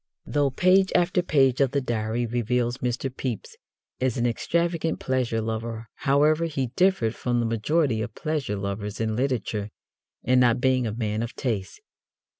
Though page after page of the Diary reveals Mr. Pepys as an extravagant pleasure lover, however, he differed from the majority of pleasure lovers in literature in not being a man of taste.